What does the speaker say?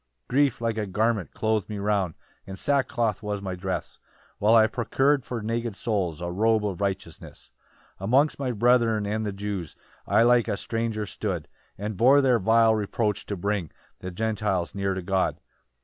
7 "Grief, like a garment, cloth'd me round, "And sackcloth was my dress, "While I procur'd for naked souls "A robe of righteousness. 8 "Amongst my brethren and the Jews "I like a stranger stood, "And bore their vile reproach to bring "The Gentiles near to God.